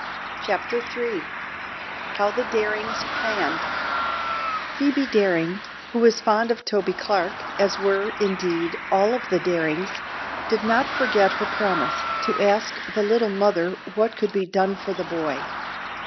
CHAPTER III HOW THE DARINGS PLANNED Phoebe Daring, who was fond of Toby Clark as were, indeed, all of the Darings did not forget her promise to ask the Little Mother what could be done for the boy.